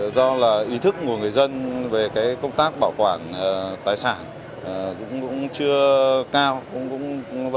do ý thức của người dân về công tác bảo vệ